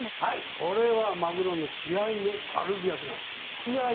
これはマグロの血合いのカルビ焼きなんです。